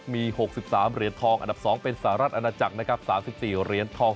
มี๖๓เหรียญทองอันดับ๒เป็นสหรัฐอาณาจักรนะครับ๓๔เหรียญทอง